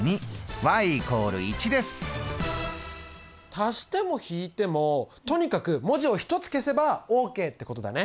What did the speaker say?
足しても引いてもとにかく文字を１つ消せばＯＫってことだね。